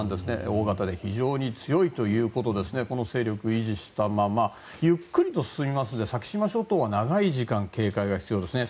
大型で非常に強いということでこの勢力を維持したままゆっくりと進みますので先島諸島は長い時間、警戒が必要ですね。